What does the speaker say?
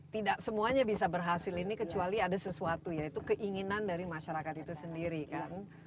tidak semuanya bisa berhasil ini kecuali ada sesuatu yaitu keinginan dari masyarakat itu sendiri kan